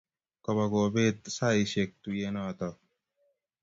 Kobo kopet saishek tuyenotok